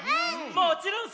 もちろんさ！